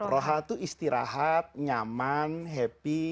rohan itu istirahat nyaman happy